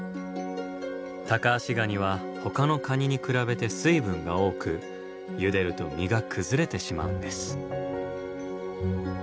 タカアシガニはほかのカニに比べて水分が多くゆでると身が崩れてしまうんです。